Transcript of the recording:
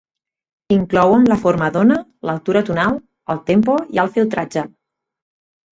Inclouen la forma d'ona, l'altura tonal, el tempo i el filtratge.